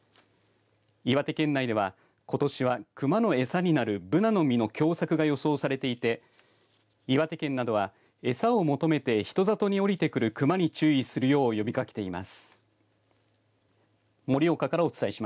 岩手県内ではことしは、クマのえさになるブナの実の凶作が予想されていて岩手県などはえさを求めて人里に降りてくるクマに注意するよう呼びかけています。